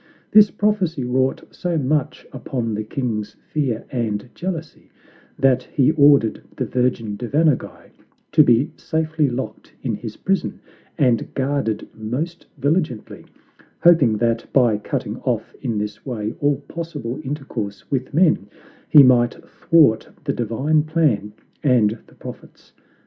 This prophecy wrought so much upon the king's fear and jealousy, that he ordered the virgin Devanaguy to be safely locked in his prison, and guarded most vigilantly, hoping that by cutting off in this way all possible intercourse with men, he might thwart the divine plan and the prophets.